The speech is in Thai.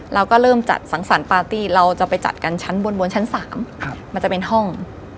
เราก็เริ่มจัดสังสรรคปาร์ตี้เราจะไปจัดกันชั้นบนชั้น๓มันจะเป็นห้อง